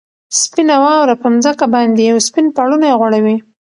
سپینه واوره پر مځکه باندې یو سپین پړونی غوړوي.